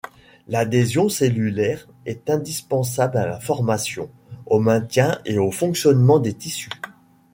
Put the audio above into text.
L'adhésion cellulaire est indispensable à la formation, au maintien et au fonctionnement des tissus.